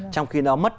trong khi nó mất